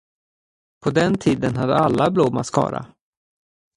På den tiden hade alla blå mascara.